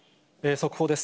速報です。